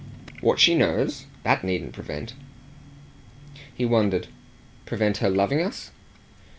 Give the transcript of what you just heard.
"What she knows? That needn't prevent." He wondered. "Prevent her loving us?"